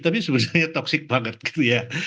tapi sebenarnya toxic banget gitu ya